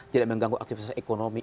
tidak mengganggu aktivitas ekonomi